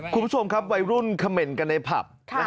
คุณผู้ชมครับวัยรุ่นเขม่นกันในผับ